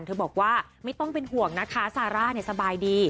บอกว่าไม่ต้องเป็นห่วงนะคะซาร่าเนี่ยสบายดี